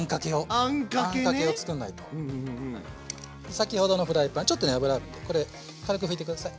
先ほどのフライパンちょっとね油これ軽く拭いてください。